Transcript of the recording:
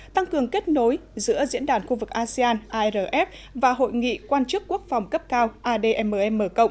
tăng cường kết nối giữa diễn đàn khu vực asean arf và hội nghị quan chức quốc phòng cấp cao admm